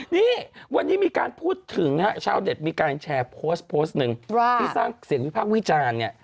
นี่วันนี้มีการพูดถึงชาวเด็ดมีการแชร์โพสต์หนึ่งที่สร้างเสียงวิภาควิจารณ์